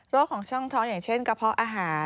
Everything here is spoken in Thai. ของช่องท้องอย่างเช่นกระเพาะอาหาร